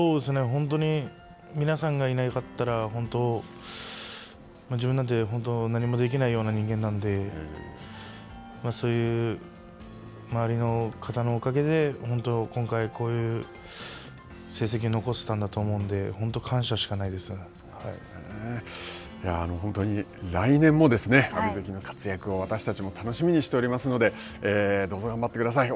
本当に、皆さんがいなかったら、本当、自分なんて何もできないような人間なんでそういう周りの方のおかげで、今回こういう成績を残せたんだと思うので本当に来年も阿炎関の活躍を私たちも楽しみにしておりますので、どうぞ頑張ってください。